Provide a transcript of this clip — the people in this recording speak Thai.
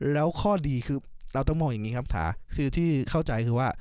แล้วข้อดีคือเราต้องมองอย่างนี้ครับถาคือที่เข้าใจคือว่า